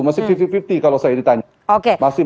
masih lima puluh lima puluh kalau saya ditanya oke masih